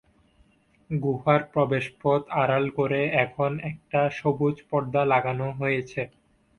গুহার প্রবেশপথ আড়াল করে এখন একটা সবুজ পর্দা লাগানো হয়েছে।